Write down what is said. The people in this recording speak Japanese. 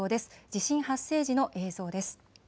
地震発生時の映像です。